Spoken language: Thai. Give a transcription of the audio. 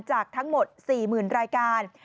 จากทั้งหมด๔๐๐๐รายการ